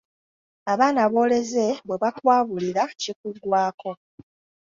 Abaana b’oleze bwe bakwabulira kikuggwaako.